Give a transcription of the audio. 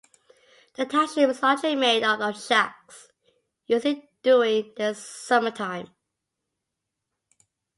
The township is largely made up of shacks used during the summer time.